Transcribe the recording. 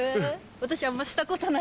私あんましたことない。